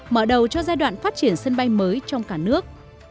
mở đầu cho giai đoạn phát triển sân bay mới trong cả nước